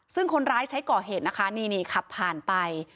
ซึ่งคนร้ายใช้ก่อเหตุนะคะนี่ขับผ่านไป